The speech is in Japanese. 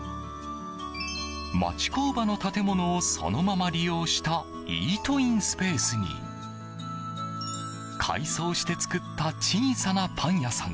町工場の建物をそのまま利用したイートインスペースに改装して作った小さなパン屋さん